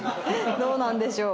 どうなんでしょう？